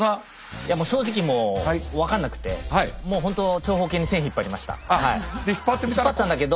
いやもう正直もう分かんなくてもう本当長方形に線引っ張りました。